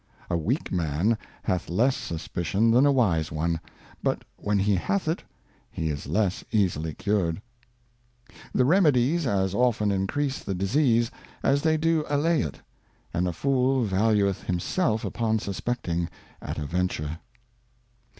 A weak Man hath less Suspicion than a wise one, but when he hath it, he is less easily cured. The Remedies as often increase the Disease, as they do allay it ; and a Fool valueth himself upon suspecting at a venture.